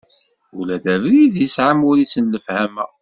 Ula d abrid, yesɛa amur-is n lefhama.